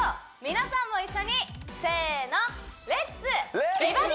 皆さんも一緒にせーの！